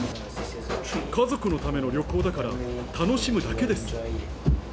家族のための旅行だから楽しむだけです。